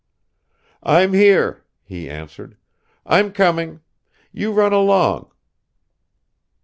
"I'm here," he answered; "I'm coming. You run along."